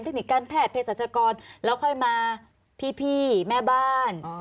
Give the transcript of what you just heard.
คนิคการแพทย์เพศรัชกรแล้วค่อยมาพี่แม่บ้าน